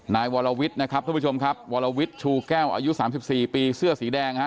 นายวรวิทย์นะครับทุกผู้ชมครับวรวิทย์ชูแก้วอายุ๓๔ปีเสื้อสีแดงฮะ